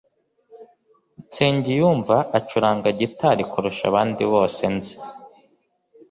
Nsengiyumva acuranga gitari kurusha abandi bose nzi.